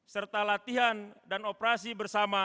serta latihan dan operasi bersama